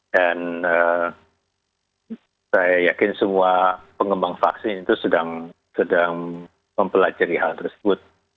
dan saya yakin semua pengembang vaksin itu sedang mempelajari hal tersebut